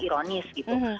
itu harus lebih ekonis gitu